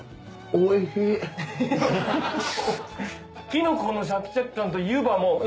キノコのシャキシャキ感とゆばも。